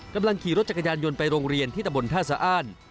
กำลังขี่รถจักรยานยนต์ไปโรงเรียนที่ตะบนท่าสะอ้าน